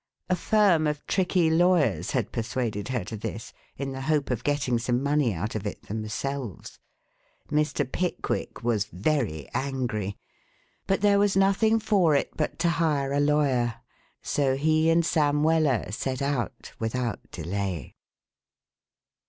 A firm of tricky lawyers had persuaded her to this in the hope of getting some money out of it themselves. Mr. Pickwick was very angry, but there was nothing for it but to hire a lawyer, so he and Sam Weller set out without delay.